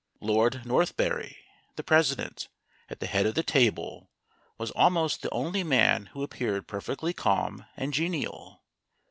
Lord Northberry, the President, at the head of the table, was almost the only man who appeared per fectly calm and genial.